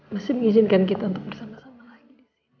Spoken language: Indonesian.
masih mengizinkan kita untuk bersama sama lagi